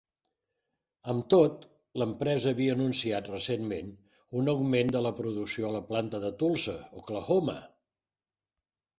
Amb tot, l'empresa havia anunciat recentment un augment de la producció a la planta de Tulsa, Oklahoma.